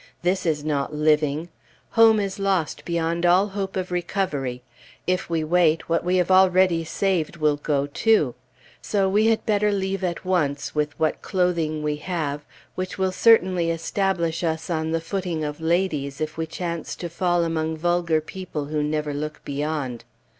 This is not living. Home is lost beyond all hope of recovery; if we wait, what we have already saved will go, too; so we had better leave at once, with what clothing we have, which will certainly establish us on the footing of ladies, if we chance to fall among vulgar people who never look beyond.